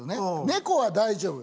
猫は大丈夫。